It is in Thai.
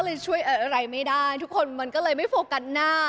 เลยช่วยอะไรไม่ได้ทุกคนมันก็เลยไม่โฟกัสหน้า